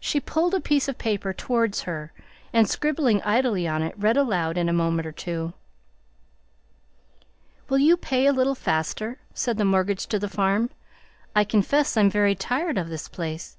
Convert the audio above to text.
She pulled a piece of paper towards her, and scribbling idly on it read aloud in a moment or two: "Will you pay a little faster?" said the mortgage to the farm; "I confess I'm very tired of this place."